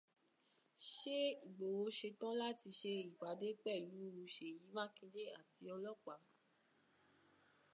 Ṣé Ìgbòho ṣetán láti ṣe ìpàdé pẹ̀lú Ṣèyí Mákindé àti ọlọ́pàá?